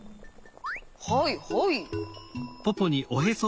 はいはい。